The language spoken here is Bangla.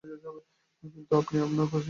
কিন্তু আপনি আমার চরিত্র নিয়ে প্রশ্ন তুলছেন।